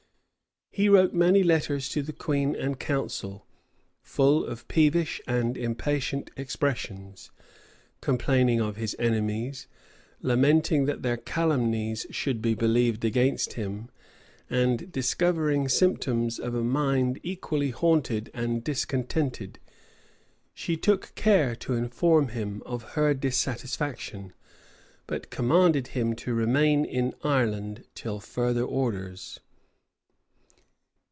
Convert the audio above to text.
He wrote many letters to the queen and council, full of peevish and impatient expressions; complaining of his enemies, lamenting that their calumnies should be believed against him, and discovering symptoms of a mind equally haughty and discontented. She took care to inform him of her dissatisfaction: but commanded him to remain in Ireland till further orders.